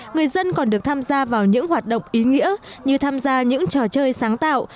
người dân còn được tham gia vào những hoạt động ý nghĩa như tham gia những trò chơi sáng tạo